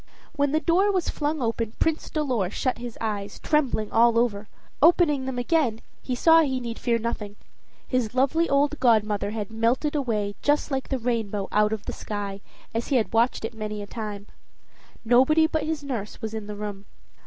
When the door was flung open, Prince Dolor shut his eyes, trembling all over; opening them again, he saw he need fear nothing his lovely old godmother had melted away just like the rainbow out of the sky, as he had watched it many a time. Nobody but his nurse was in the room.